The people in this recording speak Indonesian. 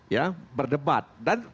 ya berdebat dan